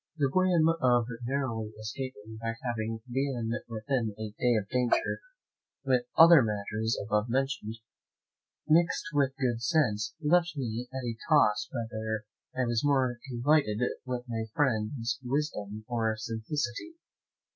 The whim of narrowly escaping by having been within a day of danger, with other matters above mentioned, mixed with good sense, left me at a loss whether I was more delighted with my friend's wisdom or simplicity.